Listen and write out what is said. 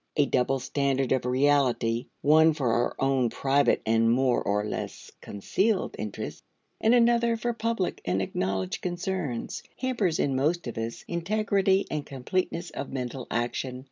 A double standard of reality, one for our own private and more or less concealed interests, and another for public and acknowledged concerns, hampers, in most of us, integrity and completeness of mental action.